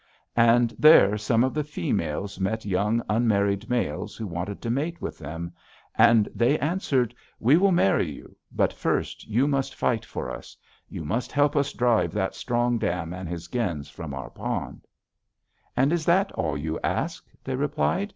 And there some of the females met young unmarried males who wanted to mate with them; and they answered, 'We will marry you, but first you must fight for us; you must help us drive that Strong Dam and his gens from our pond.' "'And is that all you ask?' they replied.